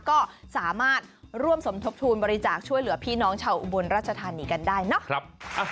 ก็สามารถร่วมสมทบทุนบริจาคช่วยเหลือพี่น้องชาวอุบลราชธานีกันได้เนาะ